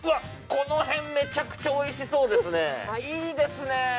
この辺めちゃくちゃおいしそうですねいいですね